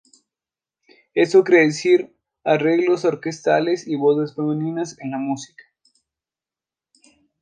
Esto quería decir arreglos orquestales y voces femeninas en la música.